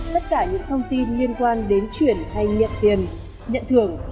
tất cả những thông tin liên quan đến chuyển hay nhận tiền nhận thưởng